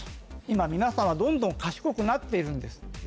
今皆さんはどんどん賢くなっているんです。